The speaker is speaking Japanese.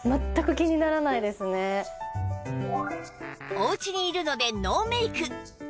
お家にいるのでノーメイク